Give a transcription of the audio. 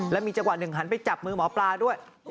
และมีจังหวะหนึ่งหันไปจับมือหมอปลาด้วย